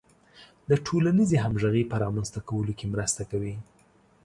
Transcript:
د ټولنیزې همغږۍ په رامنځته کولو کې مرسته کوي.